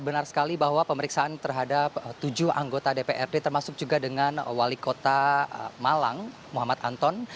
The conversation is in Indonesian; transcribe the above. benar sekali bahwa pemeriksaan terhadap tujuh anggota dprd termasuk juga dengan wali kota malang muhammad anton